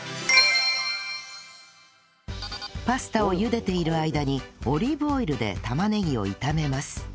パスタを茹でている間にオリーブオイルで玉ねぎを炒めます